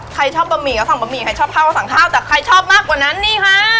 ใครชอบบะหมี่ก็สั่งบะหมี่ใครชอบข้าวก็สั่งข้าวแต่ใครชอบมากกว่านั้นนี่ค่ะ